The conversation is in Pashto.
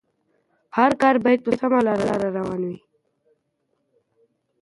هر کار بايد په سمه لاره روان وي.